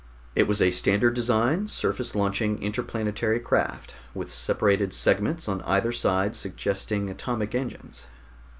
It was a standard design, surface launching interplanetary craft, with separated segments on either side suggesting atomic engines.